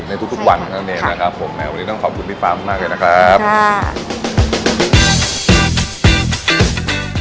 ในทุกวันนั่นเองนะครับผมนะวันนี้ต้องขอบคุณพี่ฟ้ามากเลยนะครับค่ะ